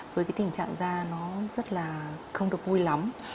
với cái tình trạng ra nó rất là không được vui lắm